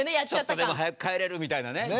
ちょっとでも早く帰れるみたいなね。